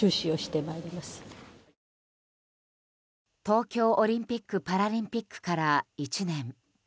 東京オリンピック・パラリンピックから１年。